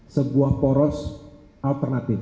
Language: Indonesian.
sebuah poros alternatif